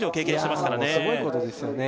いやもうすごいことですよね